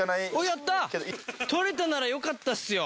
やった！捕れたならよかったっすよ！